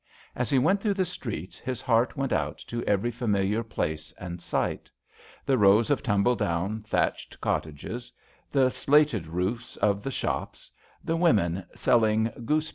As he went through the streets his heart went out to every familiar place and sight : the rows of tumble down thatched cottages; the slated roofs of the shops ; the women selling goose JOHN SHERMAN.